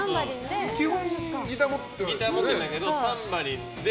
基本ギター持ってるんだけどタンバリンで。